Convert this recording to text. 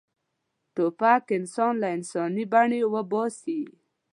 توپک انسان له انساني بڼې وباسي.